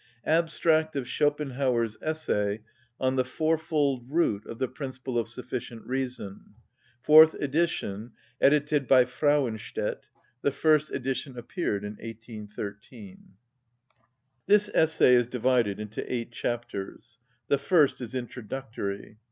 Abstract. SCHOPENHAUER'S ESSAY ON THE FOURFOLD ROOT OF THE PRINCIPLE OF SUFFICIENT REASON (Fourth Edition, Edited by FRAUENSTÄDT. The First Edition appeared in 1813). This essay is divided into eight chapters. The first is introductory.